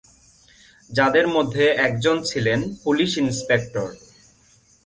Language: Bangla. যাদের মধ্যে একজন ছিলেন পুলিশ ইনস্পেক্টর।